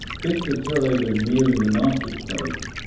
Biff could tell they were nearing the market place.